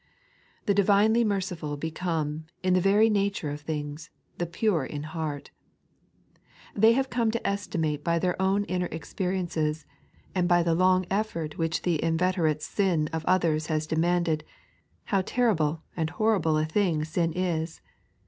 The divinely merciful become, in the very nature of things, the pure in heart. They have come to estimate by their own inner experiences, and by the long effort which the inveterate Bin of others has demanded, how terrible and horrible a thing sin is.